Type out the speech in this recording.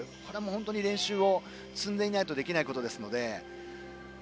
本当に練習を積んでいないとこれはできないことですので。